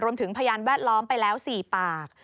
รวมถึงพยานแวดล้อมไปแล้ว๔ปาก